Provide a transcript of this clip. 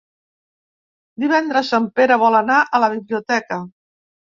Divendres en Pere vol anar a la biblioteca.